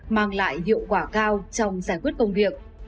mang lại hiệu quả cao trong giải quyết công việc